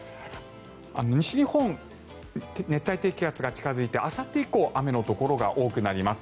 西日本、熱帯低気圧が近付いてあさって以降、雨のところが多くなります。